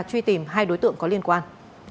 truy tìm hai đối tượng có liên quan